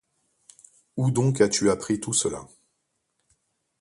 Où donc as-tu appris tout cela ?